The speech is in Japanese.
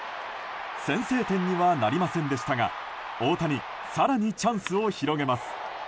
先制点にはなりませんでしたが大谷、更にチャンスを広げます。